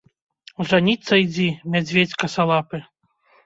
Жаніцца ідзі, мядзведзь касалапы.